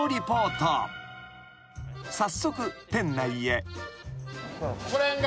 ［早速店内へ］